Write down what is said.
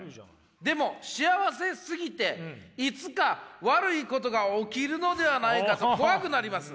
「でも幸せすぎていつか悪いことが起きるのではないかと怖くなります。